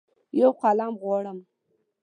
یوقلم غواړم